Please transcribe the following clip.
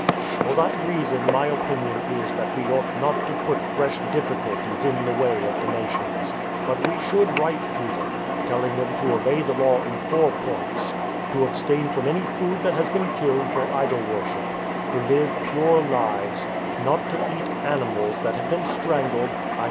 " For that reason my opinion is that we ought not to put fresh difficulties in the way of the Nations. But we should write to them, telling them to obey the Law in four points: to abstain from any food that has been killed for idol worship, to live pure lives, not to eat animals that have been strangled (i.